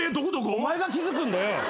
お前が気付くんだよ。